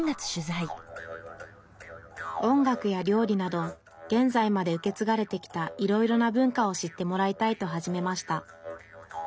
音楽や料理など現在まで受け継がれてきたいろいろな文化を知ってもらいたいと始めました